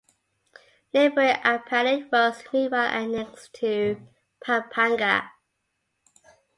Neighbouring Apalit was meanwhile annexed to Pampanga.